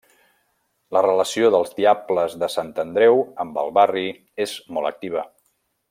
La relació dels Diables de Sant Andreu amb el barri és molt activa.